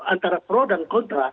antara pro dan kontra